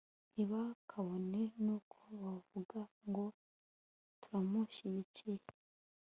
ntibakabone n'uko bavuga ngo turamushyikiriye